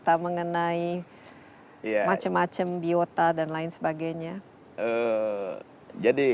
atau mengenai macam macam biota dan lain sebagainya